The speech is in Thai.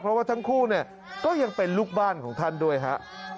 เพราะว่าทั้งคู่เนี่ยก็ยังเป็นลูกบ้านของท่านด้วยฮะ